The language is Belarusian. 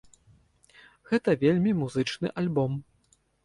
Гэта вельмі музычны альбом.